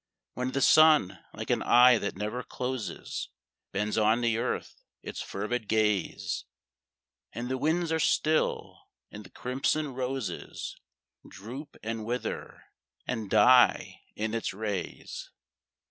When the sun, like an eye that never closes, Bends on the earth its fervid gaze, And the winds are still, and the crimson roses Droop and wither and die in its rays.